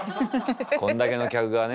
「こんだけの客がね